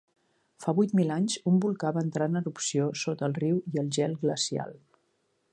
Fa vuit mil anys, un volcà va entrar en erupció sota el riu i el gel glacial.